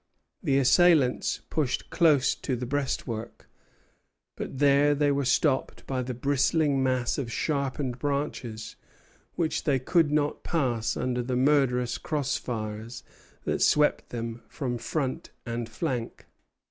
The assailants pushed close to the breastwork; but there they were stopped by the bristling mass of sharpened branches, which they could not pass under the murderous cross fires that swept them from front and flank.